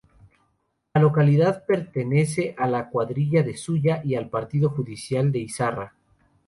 La localidad pertenece a la cuadrilla de Zuya y al partido judicial de Izarra.